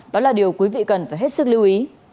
đó là điều quý vị cần phải hết sức lưu ý